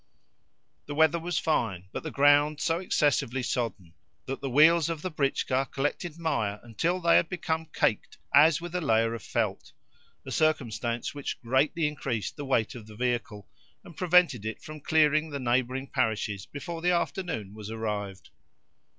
The weather was fine, but the ground so excessively sodden that the wheels of the britchka collected mire until they had become caked as with a layer of felt, a circumstance which greatly increased the weight of the vehicle, and prevented it from clearing the neighbouring parishes before the afternoon was arrived.